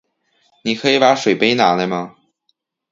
你可以把水杯拿来吗？